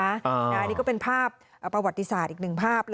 อันนี้ก็เป็นภาพประวัติศาสตร์อีกหนึ่งภาพ